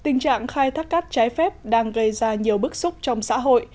nạn khai thác cát trái phép đang gây ra nhiều bức xúc trong xã hội